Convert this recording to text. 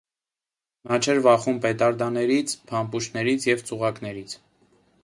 Նա չէր վախենում պետարդաներից, փամփուշտներից և ծուղակներից։